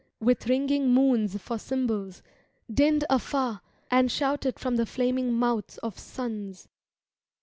With ringing moons for cymbals, dinned afer And shouted from the flaming mouths of suns.